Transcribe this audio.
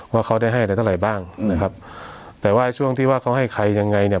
ว่าเขาได้ให้อะไรเท่าไหร่บ้างนะครับแต่ว่าช่วงที่ว่าเขาให้ใครยังไงเนี่ย